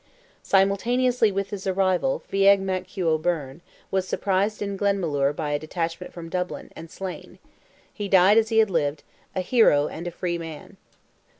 Simultaneously with his arrival Feagh Mac Hugh O'Byrne, was surprised in Glenmalure by a detachment from Dublin, and slain; he died as he had lived, a hero and a free man.